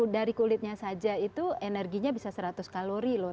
dari kulitnya saja itu energinya bisa seratus kalori loh